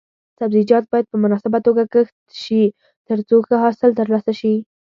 سبزیجات باید په مناسبه توګه کښت شي ترڅو ښه حاصل ترلاسه شي.